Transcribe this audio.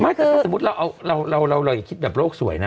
ไม่แต่ถ้าสมมุติเราคิดแบบโรคสวยนะ